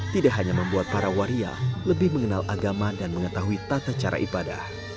tidak hanya membuat para waria lebih mengenal agama dan mengetahui tata cara ibadah